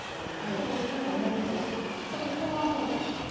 さあここはどうでしょうか。